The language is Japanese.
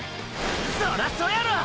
そらそやろ！！